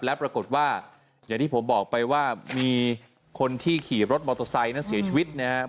แล้วปรากฏว่าอย่างที่ผมบอกไปว่ามีคนที่ขี่รถมอเตอร์ไซค์นั้นเสียชีวิตนะฮะ